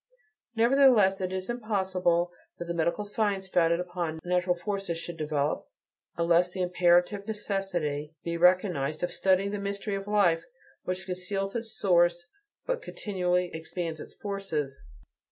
Nevertheless, it is "impossible" that the medical science founded upon natural forces should develop, unless the imperative necessity be recognized of studying the mystery of life which conceals its source, but continually expands its forces.